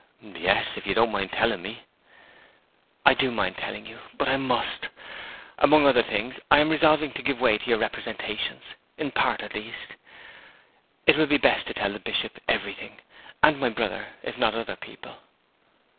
'Yes, if you don't mind telling me.' 'I do mind telling you. But I must. Among other things I am resolving to give way to your representations, in part, at least. It will be best to tell the Bishop everything, and my brother, if not other people.'